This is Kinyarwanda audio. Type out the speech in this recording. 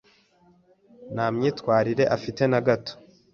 Nta myitwarire afite na gato.